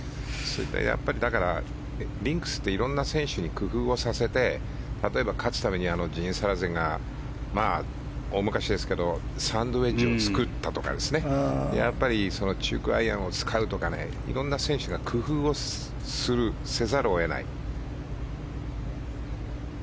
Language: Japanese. やっぱり、リンクスって色んな選手に工夫をさせて例えば、かつて大昔ですけどサンドウェッジを作ったとかやっぱり中空アイアンを使うとか色んな選手が工夫をするせざるを得ない。